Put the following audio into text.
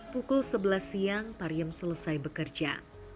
pukul sebelas siang pariem selesai bekerja